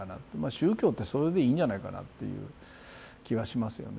宗教ってそれでいいんじゃないかなっていう気はしますよね。